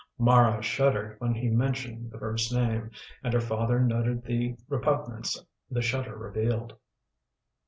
Mara shuddered when he mentioned the first name, and her father noted the repugnance the shudder revealed.